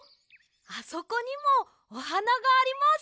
あそこにもおはながあります。